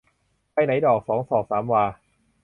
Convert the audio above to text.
ไปไหนดอก สองศอกสามวา